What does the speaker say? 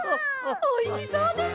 おいしそうです！